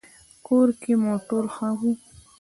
کور کې مو ټول ښه وو؟